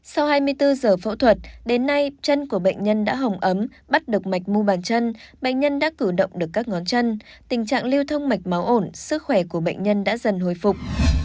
sau hai mươi bốn giờ phẫu thuật đến nay chân của bệnh nhân đã hồng ấm bắt được mạch mu bàn chân bệnh nhân đã cử động được các ngón chân tình trạng lưu thông mạch máu ổn sức khỏe của bệnh nhân đã dần hồi phục